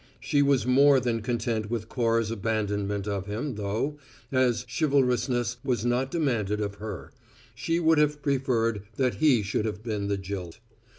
She was more than content with Cora's abandonment of him, though, as chivalrousness was not demanded of her, she would have preferred that he should have been the jilt.